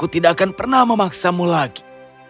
aku tidak akan pernah memaksamu lagi